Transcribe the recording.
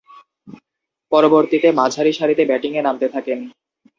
পরবর্তীতে মাঝারি সারিতে ব্যাটিংয়ে নামতে থাকেন।